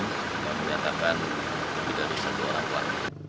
jangan dinyatakan tidak bisa dua orang keluar